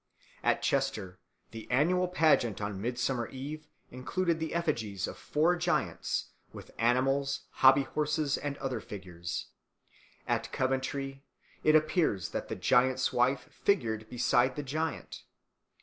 At Chester the annual pageant on Midsummer Eve included the effigies of four giants, with animals, hobby horses, and other figures. At Coventry it appears that the giant's wife figured beside the giant.